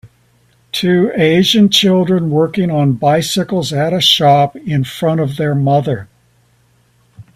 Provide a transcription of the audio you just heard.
Two asian children working on bicycles at a shop in front of their mother.